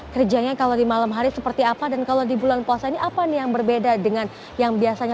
kerjanya kalau di malam hari seperti apa dan kalau di bulan puasa ini apa nih yang berbeda dengan yang biasanya